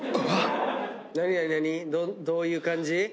どういう感じ？